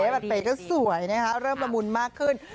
ปัดเป๋ที่นี่สวยเริ่มประมุนมากขึ้น